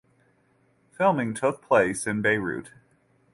Filming took place in Beirut.